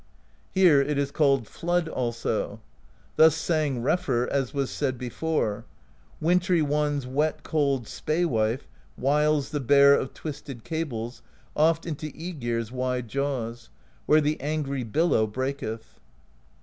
Here it is called Flood also. Thus sang Refr, as was said before: Wintry One's' wet cold Spae Wife Wiles the Bear of Twisted Cables Oft into ^gir's wide jaws, Where the angry billow breaketh.